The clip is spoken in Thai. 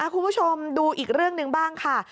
คุณผู้ชมดูอีกเรื่องหนึ่งบ้างค่ะ